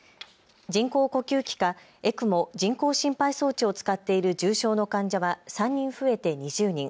人工呼吸器かＥＣＭＯ・人工心肺装置を使っている重症の患者は３人増えて２０人。